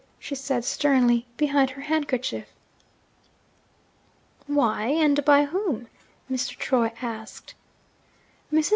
she said sternly, behind her handkerchief. 'Why? And by whom?' Mr. Troy asked. Mrs.